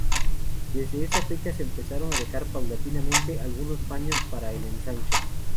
Desde esa fecha se empezaron a dejar paulatinamente algunos paños para el ensanche.